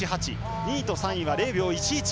２位と３位は０秒１１。